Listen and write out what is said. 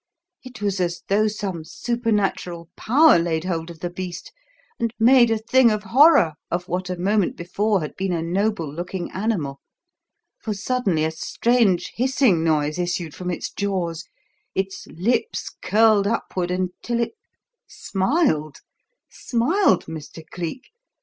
It was as though some supernatural power laid hold of the beast and made a thing of horror of what a moment before had been a noble looking animal; for suddenly a strange hissing noise issued from its jaws, its lips curled upward until it smiled smiled, Mr. Cleek!